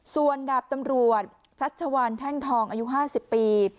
ส่วนดาบตำรวจชัชวัลแท่งทองอายุ๕๐ปี